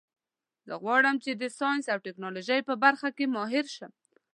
زه غواړم چې د ساینس او ټکنالوژۍ په برخه کې ماهر شم